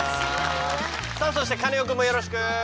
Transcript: さあそしてカネオくんもよろしく。